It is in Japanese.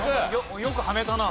よくはめたな。